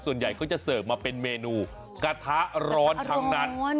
ส่วนใหญ่เขาจะเสิร์ฟมาเป็นเมนูกระทะร้อนทั้งนั้น